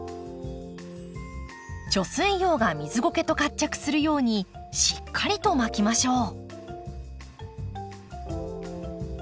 貯水葉が水ごけと活着するようにしっかりと巻きましょう。